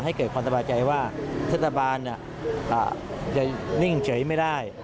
ให้เกิดความสบายใจว่าเทศบาลจะนิ่งเฉยไม่ได้